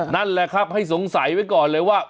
นั่นแหละครับให้สงสัยไว้ก่อนเลยว่า